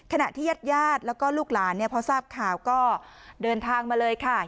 ขณะที่ญาติญาติแล้วก็ลูกหลานเนี่ยพอทราบข่าวก็เดินทางมาเลยค่ะ